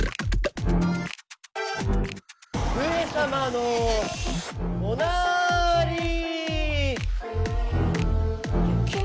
上様のおなーりー。